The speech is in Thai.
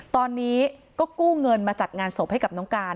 ตอนนี้ก็กู้เงินมาจัดงานศพให้กับน้องการ